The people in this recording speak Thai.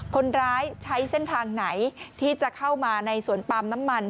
คนร้ายใช้เส้นทางไหนที่จะเข้ามาในสวนปาล์มน้ำมัน